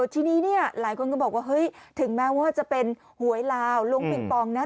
ทีนี้เนี่ยหลายคนก็บอกว่าเฮ้ยถึงแม้ว่าจะเป็นหวยลาวล้วงปิงปองนะ